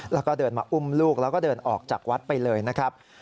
แล้วก็เดินมาอุ้มลูกแล้วก็เดินออกจากวัดไปเลยนะครับ